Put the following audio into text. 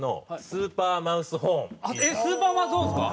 スーパーマウスホーンですか？